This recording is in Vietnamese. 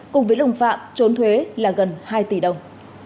cùng với lùng phạm trốn thuế là gần hai triệu đồng